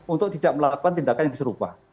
untuk tidak melakukan tindakan yang serupa